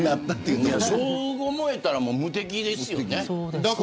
そう思えたら無敵ですよね。